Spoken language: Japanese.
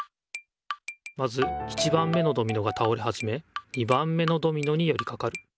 まず１番目のドミノが倒れはじめ２番目のドミノによりかかる。